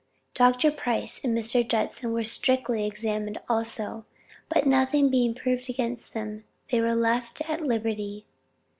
Dr. Price and Mr. Judson were strictly examined also, but nothing being proved against them, they were left at liberty.